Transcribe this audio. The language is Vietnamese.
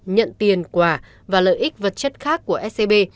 nhận tiền quả và lợi ích vật chất khác của scb